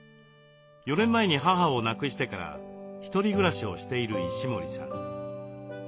４年前に母を亡くしてから１人暮らしをしている石森さん。